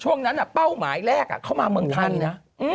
ช่วงนั้นเป้าหมายแรกเข้ามาเมืองไทยนะ